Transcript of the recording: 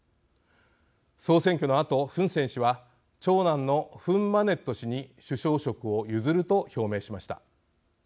総選挙のあと、フン・セン氏は長男のフン・マネット氏に首相職を譲ると表明しました。